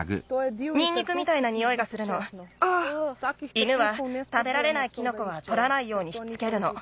犬はたべられないキノコはとらないようにしつけるの。